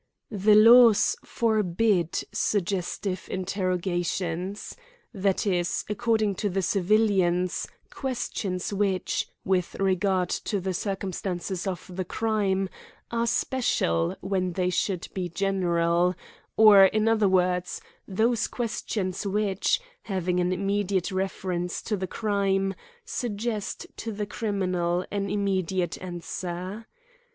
THE laws forbid suggestive interrogations; that is, according to the civilians, question^ which, with regard to the circumstances of the crime, are special when they should be general ; or, in other words, those questions which, having an imme diate reference to the crime, suggests to the cri minal an immediate answer.